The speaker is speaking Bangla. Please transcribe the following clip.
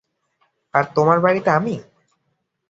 আর তোমার বাড়িতে আমি?